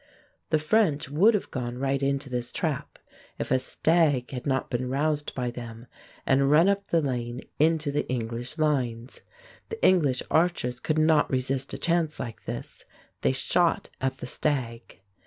The French would have gone right into this trap, if a stag had not been roused by them and run up the lane into the English lines. The English archers could not resist a chance like this. They shot at the stag.